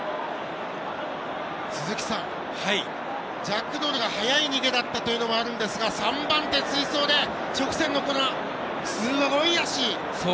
鈴木さん、ジャックドールが早い逃げだったということもあるんですが３番手、追走で直線すごい脚！